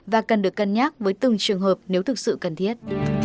và cần được cân nhắc với từng trường hợp nếu thực sự cần thiết